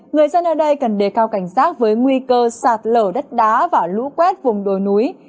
người dân ở đây cần đề cao cảnh giác với nguy cơ sạt lở đất đá và lũ quét vùng đồi núi